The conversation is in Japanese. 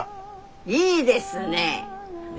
いいですね。